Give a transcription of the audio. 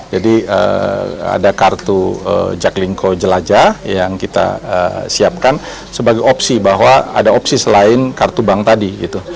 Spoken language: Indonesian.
jadi ada kartu jaklingko jelajah yang kita siapkan sebagai opsi bahwa ada opsi selain kartu bank tadi gitu